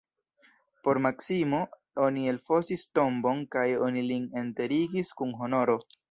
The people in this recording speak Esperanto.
Por Maksimo oni elfosis tombon kaj oni lin enterigis kun honoro.